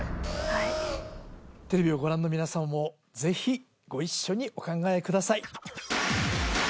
はいテレビをご覧の皆様もぜひご一緒にお考えください